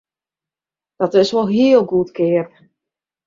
Dat is wol hiel goedkeap!